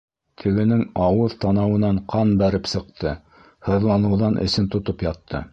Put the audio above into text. Тегенең ауыҙ-танауынан ҡан бәреп сыҡты, һыҙланыуҙан эсен тотоп ятты.